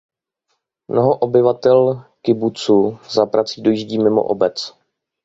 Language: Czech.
Mnoho obyvatel kibucu za prací dojíždí mimo obec.